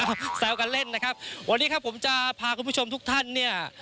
แซวกันเล่นนะครับวันนี้ครับผมจะพาคุณผู้ชมทุกท่านเนี่ย